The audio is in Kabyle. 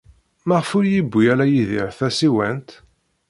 Maɣef ur yewwi ara Yidir tasiwant?